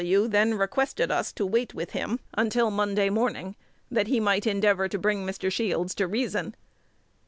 W. then requested us to wait with him until Monday morning, that he might endeavor to bring Mr. Shields to reason.